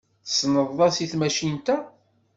Tessneḍ-as i tmacint-a?